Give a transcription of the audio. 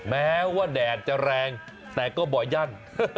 แม้ว่าแดดจะแรงแต่ก็บ่อยั่น